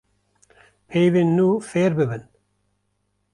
peyvên nû fêr bibin